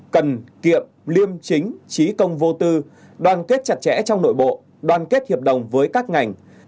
cần kiệm liêm chính trí công vô tư đoàn kết chặt chẽ trong nội bộ đoàn kết hiệp đồng với các ngành